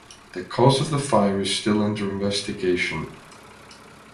The cause of the fire is still under investigation.